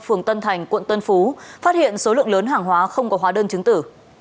phường tân thành quận tân phú phát hiện số lượng lớn hàng hóa không có hóa đơn chứng tử